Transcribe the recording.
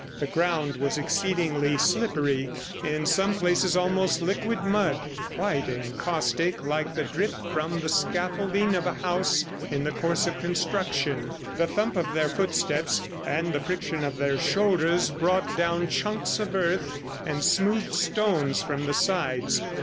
The ground was exceedingly slippery, in some places almost liquid mud, white and caustic like the drip from the scaffolding of a house in the course of construction. The thump of their footsteps, and the friction of their shoulders, brought down chunks of earth and smooth stones from the sides.